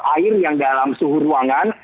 air yang dalam suhu ruangan